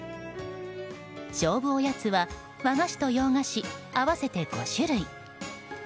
勝負おやつは和菓子と洋菓子、合わせて５種類。